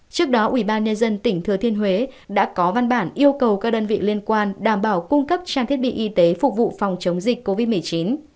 trước đó ubnd tỉnh thừa thiên huế đã có văn bản yêu cầu các đơn vị liên quan đảm bảo cung cấp trang thiết bị y tế phục vụ phòng chống dịch covid một mươi chín